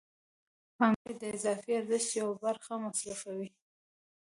پانګوال د اضافي ارزښت یوه برخه مصرفوي